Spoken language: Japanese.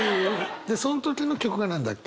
でその時の曲が何だっけ？